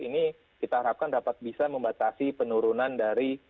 ini kita harapkan dapat bisa membatasi penurunan dari